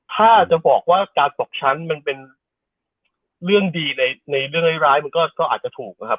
ถ้าจะบอกว่าการตกชั้นมันเป็นเรื่องดีในเรื่องร้ายมันก็อาจจะถูกนะครับ